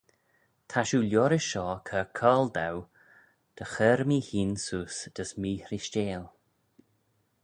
Ta shiu liorish shoh cur coyrle dou dy chur mee-hene seose dys mee-hreishteil.